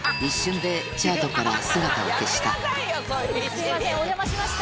すいませんお邪魔しました。